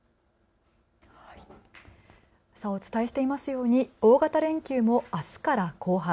お伝えしていますように大型連休もあすから後半。